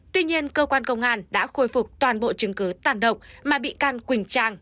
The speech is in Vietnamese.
tuy nhiên cơ quan công an đã khôi phục toàn bộ chứng cứ tàn độc mà bị can quỳnh trang